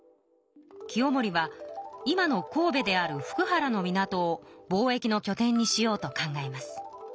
清盛は今の神戸である福原の港を貿易のきょ点にしようと考えます。